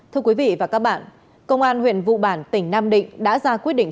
thưa quý vị và các bạn công an huyện vụ bản tỉnh nam định đã ra quyết định